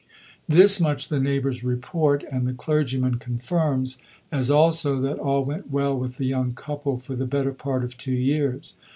This much the neighbours report and the clergyman confirms, as also that all went well with the young couple for the better part of two years.